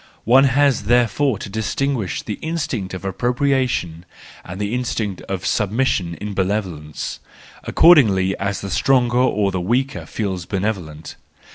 One has there¬ fore to distinguish the instinct of appropriation, and the instinct of submission, in benevolence, according as the stronger or the weaker feels benevolent.